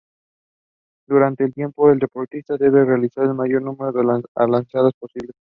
Durante ese tiempo el deportista debe realizar el mayor número de alzadas posibles.